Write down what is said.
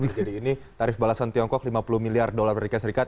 jadi ini tarif balasan tiongkok lima puluh miliar dolar amerika serikat